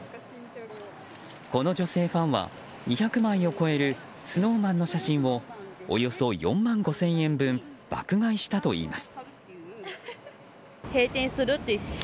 この女性ファンは２００枚を超えるＳｎｏｗＭａｎの写真をおよそ４万５０００円分爆買いしたといいます。